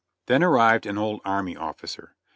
Then arrived an old army officer.